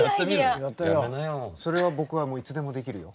それは僕はいつでもできるよ。